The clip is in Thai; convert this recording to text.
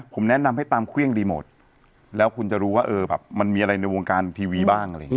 ผมแนะนำให้ตามเครื่องรีโมทแล้วคุณจะรู้ว่าเออแบบมันมีอะไรในวงการทีวีบ้างอะไรอย่างนี้